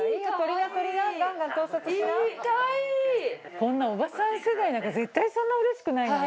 こんなおばさん世代なんか絶対そんなうれしくないのに。